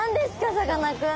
さかなクン。